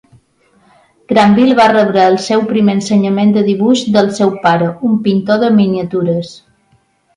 Grandville va rebre el seu primer ensenyament de dibuix del seu pare, un pintor de miniatures.